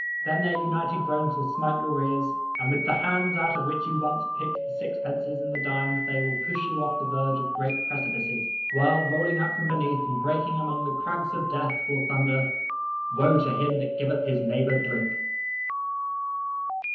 Then their united groans will smite your ears; and with the hands out of which you once picked the sixpences and the dimes, they will push you off the verge of great precipices; while, rolling up from beneath, and breaking among the crags of death, will thunder: "_Woe to him that giveth his neighbor drink!